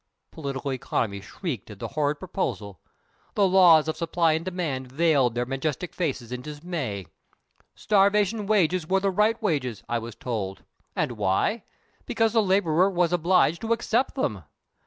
Political Economy shrieked at the horrid proposal; the Laws of Supply and Demand veiled their majestic faces in dismay. Starvation wages were the right wages, I was told. And why? Because the laborer was obliged to accept them!